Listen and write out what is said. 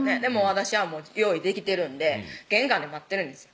私は用意できてるんで玄関で待ってるんですよ